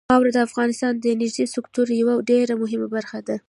خاوره د افغانستان د انرژۍ سکتور یوه ډېره مهمه برخه ده.